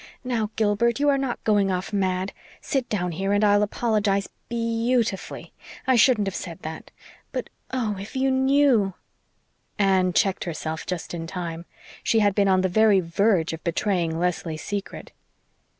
"Now, Gilbert, you are not 'going off mad.' Sit down here and I'll apologise bee YEW ti fully, I shouldn't have said that. But oh, if you knew " Anne checked herself just in time. She had been on the very verge of betraying Leslie's secret.